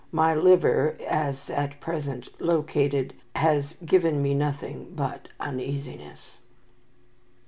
My liver, as at present located, has given me nothing but uneasiness."